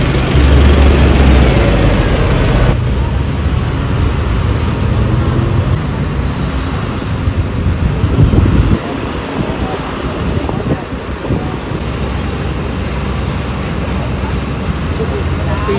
ที่สุดยอดดี